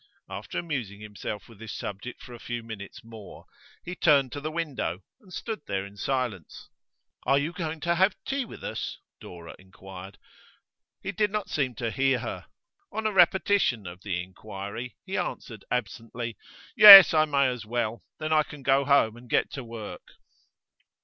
After amusing himself with this subject for a few minutes more, he turned to the window and stood there in silence. 'Are you going to have tea with us?' Dora inquired. He did not seem to hear her. On a repetition of the inquiry, he answered absently: 'Yes, I may as well. Then I can go home and get to work.